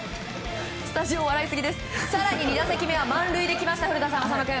更に２打席目は満塁できました、古田さん。